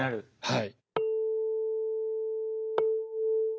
はい。